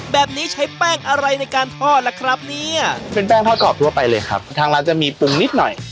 แบบนี้ใช้แป้งอะไรในการทอดล่ะครับเนี่ยเป็นแป้งทอดกรอบทั่วไปเลยครับทางร้านจะมีปรุงนิดหน่อย